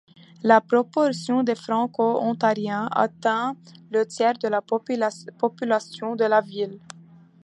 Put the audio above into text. La proportion des Franco-ontariens atteint le tiers de la population de la ville.